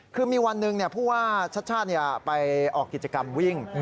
คือมีวันหนึ่งผู้ว่าชัดชาติไปออกกิจกรรมวิ่ง